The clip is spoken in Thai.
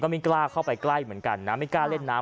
ก็ไม่กล้าเข้าไปใกล้เหมือนกันนะ